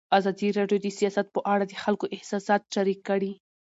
ازادي راډیو د سیاست په اړه د خلکو احساسات شریک کړي.